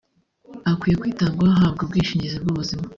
Akwiye kwitabwaho ahabwa ubwishingizi bw’ubuzima